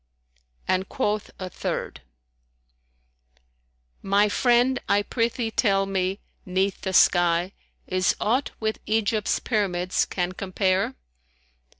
And quoth a third, "My friend I prithee tell me, 'neath the sky * Is aught with Egypt's Pyramids can compare?